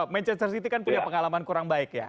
manchester city kan punya pengalaman kurang baik ya